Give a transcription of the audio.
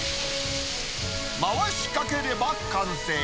回しかければ完成。